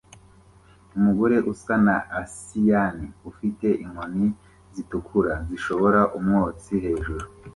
Umugore usa na asiyani ufite inkoni zitukura zisohora umwotsi hejuru